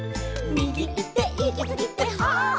「みぎいっていきすぎて」